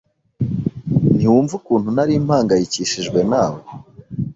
Ntiwumva ukuntu nari mpangayikishijwe nawe.